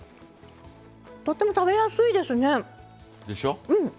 とっても食べやすいですね。